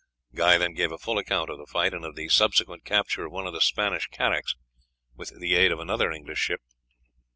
Guy then gave a full account of the fight, and of the subsequent capture of one of the Spanish carracks with the aid of another English ship.